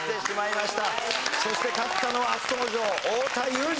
そして勝ったのは初登場太田裕二君！